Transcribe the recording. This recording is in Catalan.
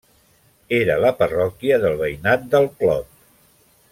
Era la parròquia del veïnat del Clot.